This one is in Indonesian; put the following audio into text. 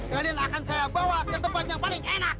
kalian akan saya bawa ke tempat yang paling enak